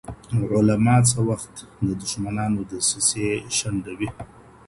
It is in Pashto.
علما څه وخت د دښمنانو دسیسې شنډوي؟